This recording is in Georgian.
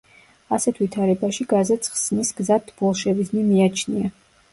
ასეთ ვითარებაში, გაზეთს ხსნის გზად ბოლშევიზმი მიაჩნია.